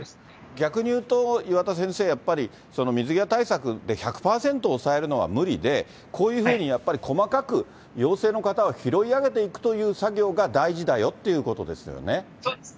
逆に言うと、岩田先生、やっぱり水際対策で１００％抑えるのは無理で、こういうふうにやっぱり細かく陽性の方は拾い上げていくという作業が大事だよっていうことですよね。